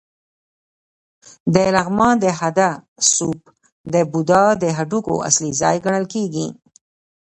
د لغمان د هده ستوپ د بودا د هډوکو اصلي ځای ګڼل کېږي